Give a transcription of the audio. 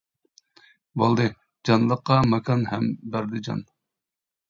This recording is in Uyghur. بولدى جانلىققا ماكان ھەم بەردى جان.